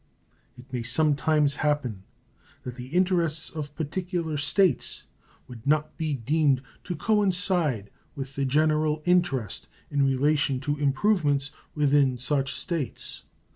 It may some times happen that the interests of particular States would not be deemed to coincide with the general interest in relation to improvements within such States.